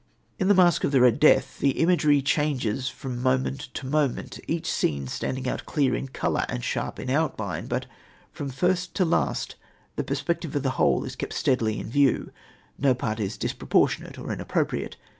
In The Masque of the Red Death the imagery changes from moment to moment, each scene standing out clear in colour and sharp in outline; but from first to last the perspective of the whole is kept steadily in view. No part is disproportionate or inappropriate.